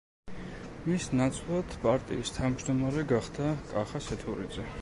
მის ნაცვლად პარტიის თავმჯდომარე გახდა კახა სეთურიძე.